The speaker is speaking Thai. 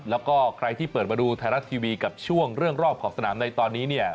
แล้วก็ใครที่เปิดมาดูไทยรัฐทีวีกับช่วงเรื่องรอบขอบสนามในตอนนี้เนี่ย